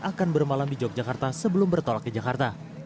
akan bermalam di yogyakarta sebelum bertolak ke jakarta